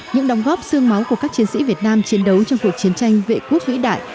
những đóng góp xương máu của các chiến sĩ việt nam chiến đấu trong cuộc chiến tranh vệ quốc vĩ đại